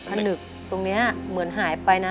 ผนึกตรงนี้เหมือนหายไปนะ